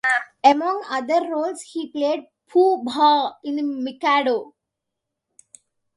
Among other roles, he played Pooh-Bah in "The Mikado".